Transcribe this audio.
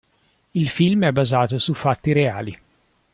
Il film è basato su fatti reali.